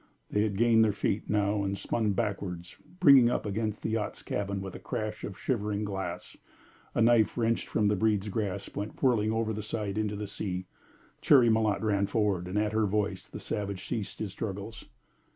They had gained their feet now, and spun backward, bringing up against the yacht's cabin with a crash of shivering glass. A knife, wrenched from the breed's grasp, went whirling over the side into the sea. Cherry Malotte ran forward, and at her voice the savage ceased his struggles.